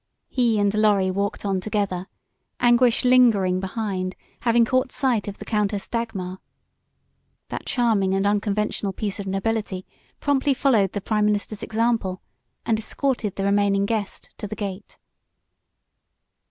He and Lorry walked on together, Anguish lingering behind, having caught sight of the Countess Dagmar. That charming and unconventional piece of nobility promptly followed the prime minister's example and escorted the remaining guest to the gate.